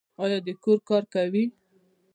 ایا د کور کار کوي؟